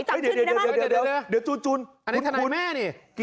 เดี๋ยวเดี๋ยวเดี๋ยวเดี๋ยวเดี๋ยวเดี๋ยวจูนจูนอันนี้ทนายแม่นี่